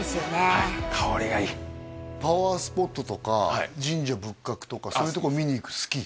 はい香りがいいパワースポットとか神社仏閣とかそういうとこ見に行く好き？